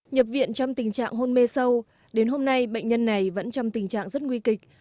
nhập viện trong tình trạng hôn mê sâu đến hôm nay bệnh nhân này vẫn trong tình trạng rất nguy kịch